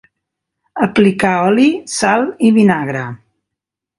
Aplicar oli, sal i vinagre.